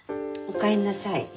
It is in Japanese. おかえりなさい。